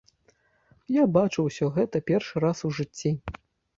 Я бачу ўсё гэта першы раз у жыцці.